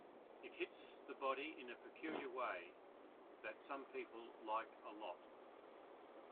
It hits the body in a peculiar way that some people like a lot.